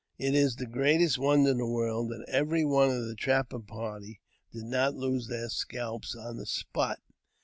It is the greatest wonder in the world that every one of thi trapper party did not lose their scalps on the spot.